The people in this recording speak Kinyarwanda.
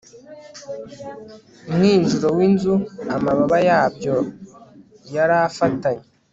mwinjiro w inzu Amababa yabyo yari afatanye